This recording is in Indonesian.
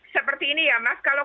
seperti ini ya mas kalau